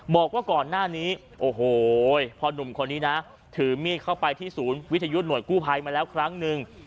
บอกว่าก่อนหน้านี้โอ้โหพอหนุ่มคนนี้นะถือมีดเข้าไปที่ศูนย์วิทยุหน่วยกู้ภัยมาแล้วครั้งหนึ่ง